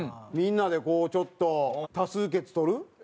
みんなでこうちょっと多数決とる？